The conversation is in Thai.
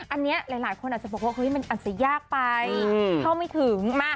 อันนี้หลายคนอาจจะบอกว่าเฮ้ยมันอาจจะยากไปเข้าไม่ถึง